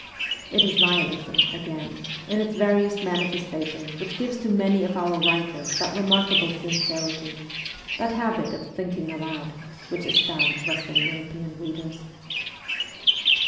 It is Nihilism, again, in its various manifestations which gives to many of our writers that remarkable sincerity, that habit of ' thinking aloud,' which astounds western European readers.